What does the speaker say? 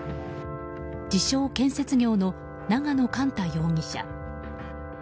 自称建設業の永野莞太容疑者。